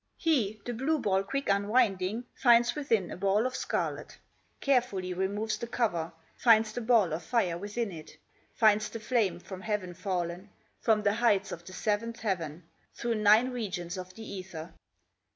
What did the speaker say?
He, the blue ball quick unwinding, Finds within a ball of scarlet; Carefully removes the cover, Finds the ball of fire within it, Finds the flame from heaven fallen, From the heights of the seventh heaven, Through nine regions of the ether.